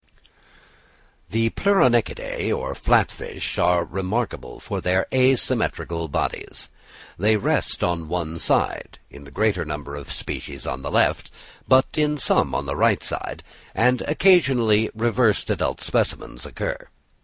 The Pleuronectidæ, or Flat fish, are remarkable for their asymmetrical bodies. They rest on one side—in the greater number of species on the left, but in some on the right side; and occasionally reversed adult specimens occur.